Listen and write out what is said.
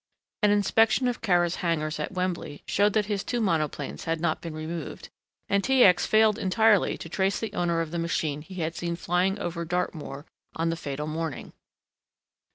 An inspection of Kara's hangars at Wembley showed that his two monoplanes had not been removed, and T. X. failed entirely to trace the owner of the machine he had seen flying over Dartmoor on the fatal morning.